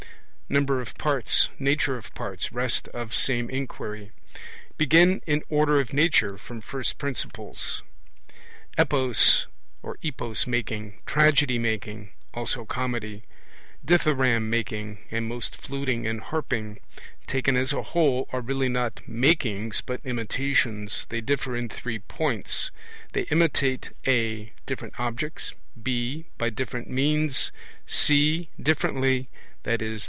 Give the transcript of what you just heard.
Number of parts: nature of parts: rest of same inquiry. Begin in order of nature from first principles. Epos making, tragedy making (also comedy), dithyramb making (and most fluting and harping), taken as a whole, are really not Makings but Imitations. They differ in three points; they imitate (a) different objects, (b) by different means, (c) differently (i.e.